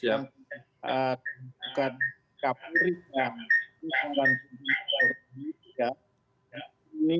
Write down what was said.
dan juga kapuritnya